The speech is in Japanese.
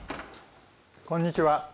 こんにちは。